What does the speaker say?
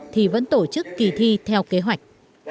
thì vẫn tổ chức kỳ thi theo kế hoạch